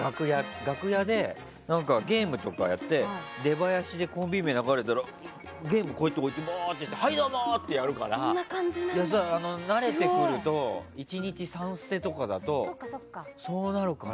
楽屋でゲームとかやってて出囃子でコンビ名が流れたらゲーム置いて出て行ってはい、どうも！ってやるから慣れてくると１日３ステとかだとそうなるから。